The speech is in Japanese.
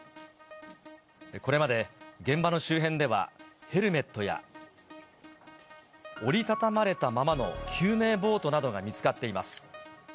これまで現場の周辺では、ヘルメットや、折り畳まれたままの救命ボートなどが見つかっています。